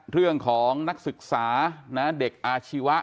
เรื่องของนักศึกษานะเด็กอาชีวะ